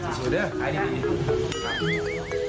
ดูด้วยดูด้วย